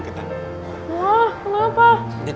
belum udah ilang